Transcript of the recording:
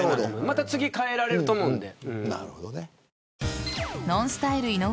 また次、変えられると思うので。